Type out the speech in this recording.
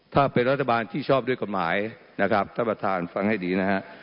ถ้าเป็นรัฐบาลที่ชอบด้วยกฎหมายนะครับท่านประธานฟังให้ดีนะฮะ